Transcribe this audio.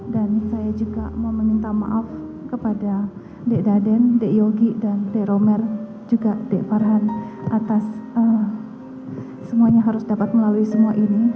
dan saya juga mau meminta maaf kepada d daden d yogi dan d romer juga d farhan atas semuanya harus dapat melalui semua ini